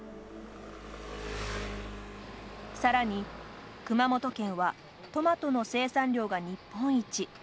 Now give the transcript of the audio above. さらに、熊本県はトマトの生産量が日本一。